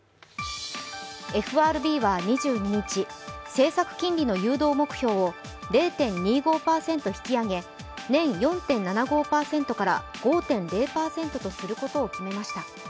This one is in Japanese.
ＦＲＢは２２日、政策金利の誘導目標を０．２５％から引き上げ年４．７５％から５．０％とすることを決めました。